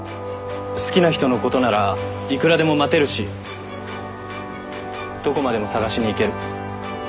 好きな人のことならいくらでも待てるしどこまでも捜しに行ける。